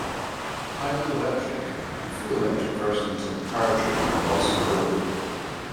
Hybrid-electric and full-electric versions of the powertrain are also available.